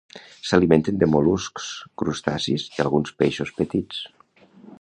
S'alimenten de mol·luscs, crustacis i alguns peixos petits.